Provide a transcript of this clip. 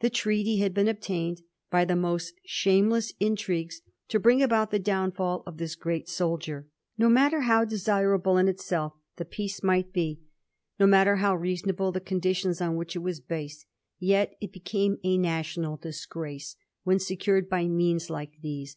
The treaty had been obtained by the most shameless intrigues to bring about the downfall of this great soldier. No matter how desirable in itself the peace might be, no matter Digiti zed by Google 1714 SWIFT'S DEFENCE OF THE TREATY. 125 liow reasonable the conditions on which it was based, yet it became a national disgrace when secured by means like these.